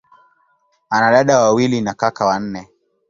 Ana dada wawili na kaka wanne.